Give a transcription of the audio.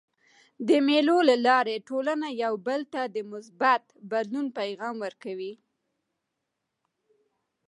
د مېلو له لاري ټولنه یو بل ته د مثبت بدلون پیغام ورکوي.